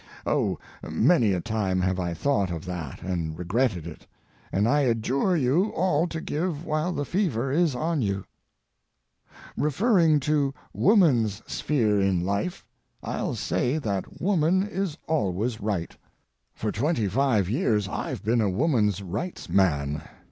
Oh, many a time have I thought of that and regretted it, and I adjure you all to give while the fever is on you. Referring to woman's sphere in life, I'll say that woman is always right. For twenty five years I've been a woman's rights man.